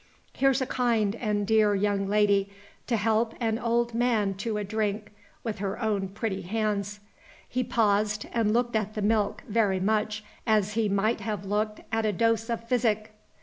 "Here's a kind and dear young lady, to help an old man to a drink with her own pretty hands." He paused, and looked at the milk very much as he might have looked at a dose of physic.